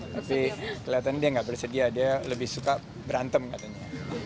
tapi kelihatannya dia nggak bersedia dia lebih suka berantem katanya